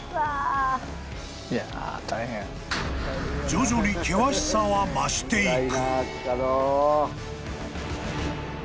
［徐々に険しさは増していく］